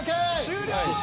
終了！